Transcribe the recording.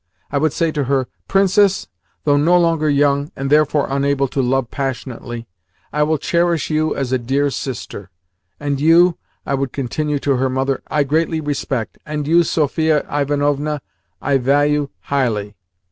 I would say to her, 'Princess, though no longer young, and therefore unable to love passionately, I will cherish you as a dear sister. And you,' I would continue to her mother, 'I greatly respect; and you, Sophia Ivanovna, I value highly.